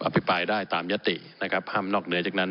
ภิปรายได้ตามยตินะครับห้ามนอกเหนือจากนั้น